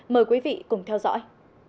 mời quý vị cùng theo dõi